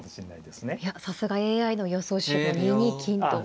さすがＡＩの予想手も２二金と。